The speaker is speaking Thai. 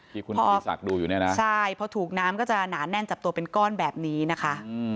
พอถูกน้ำก็จะหนาแน่นจับตัวเป็นก้อนแบบนี้นะคะ